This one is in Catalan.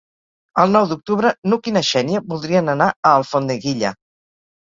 El nou d'octubre n'Hug i na Xènia voldrien anar a Alfondeguilla.